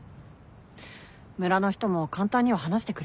村の人も簡単には話してくれないよね。